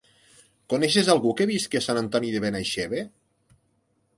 Coneixes algú que visqui a Sant Antoni de Benaixeve?